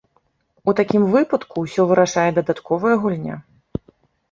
У такім выпадку ўсё вырашае дадатковая гульня.